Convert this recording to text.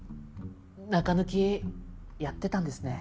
中抜きやってたんですね。